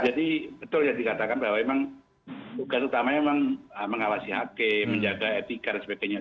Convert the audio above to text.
jadi betul ya dikatakan bahwa emang tugas utamanya memang mengawasi hake menjaga etika dan sebagainya